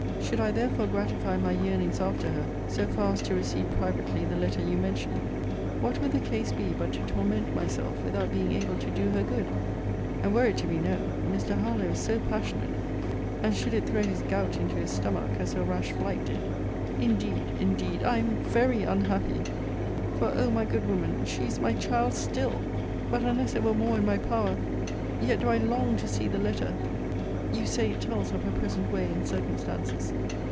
Should I therefore gratify my yearnings after her, so far as to receive privately the letter you mention, what would the case be, but to torment myself, without being able to do her good? And were it to be known Mr. Harlowe is so passionate And should it throw his gout into his stomach, as her rash flight did Indeed, indeed, I am very unhappy! For, O my good woman, she is my child still! But unless it were more in my power Yet do I long to see the letter you say it tells of her present way and circumstances.